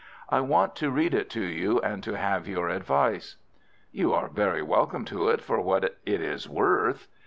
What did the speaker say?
"I want to read it to you and to have your advice." "You are very welcome to it for what it is worth."